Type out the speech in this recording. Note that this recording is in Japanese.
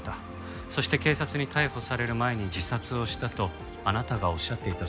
そして警察に逮捕される前に自殺をしたとあなたがおっしゃっていたそうです。